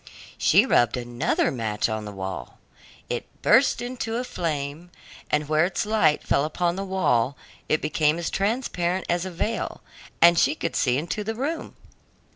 She rubbed another match on the wall. It burst into a flame, and where its light fell upon the wall it became as transparent as a veil, and she could see into the room.